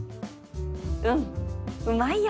うんうまいよ